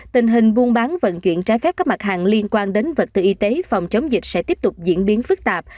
tình hình buôn bán vận chuyển trái phép các mặt hàng liên quan đến vật tư y tế phòng chống dịch sẽ tiếp tục diễn biến phức tạp